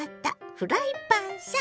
フライパンさん。